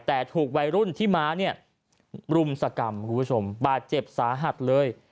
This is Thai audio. แต่ถูกวัยรุ่นที่ม้ารุ่มสกรรมบาดเจ็บสาหัสเลย